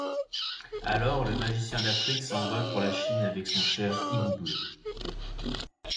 Alors, le magicien d'Afrique s'envole pour la Chine avec son cher hibou bleu.